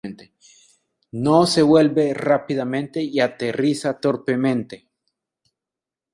No se vuelve rápidamente y aterriza torpemente.